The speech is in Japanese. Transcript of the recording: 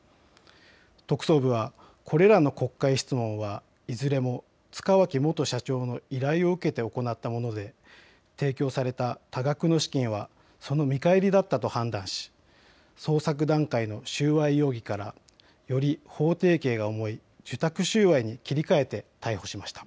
特捜部はこれらの国会質問はいずれも塚脇元社長の依頼を受けて行ったもので提供された多額の資金はその見返りだったと判断し、捜索段階の収賄容疑からより法定刑が重い受託収賄に切り替えて逮捕しました。